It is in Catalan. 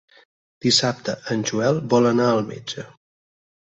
Dissabte en Joel vol anar al metge.